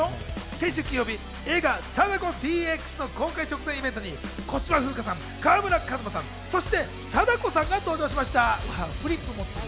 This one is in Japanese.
先週金曜日、映画『貞子ＤＸ』の公開直前イベントに小芝風花さん、川村壱馬さん、そして貞子さんが登場しました。